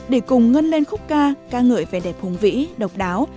để cùng ngân lên khúc ca ca ngợi vẻ đẹp hùng vĩ độc đáo